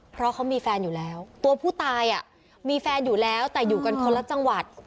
เพราะเขามีแฟนอยู่แล้วตัวผู้ตายมีแฟนอยู่แล้วแต่อยู่กันคนละจังหวัด